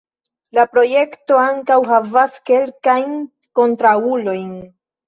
La projekto ankaŭ havas kelkajn kontraŭulojn.